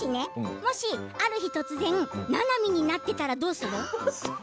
もしある日突然ななみになっていたらどうする？